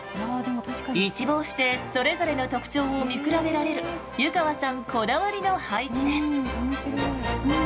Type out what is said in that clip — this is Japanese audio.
一望してそれぞれの特徴を見比べられる湯川さんこだわりの配置です。